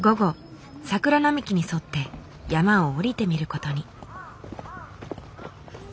桜並木に沿って山を下りてみることに。